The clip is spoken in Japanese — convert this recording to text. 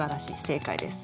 正解です。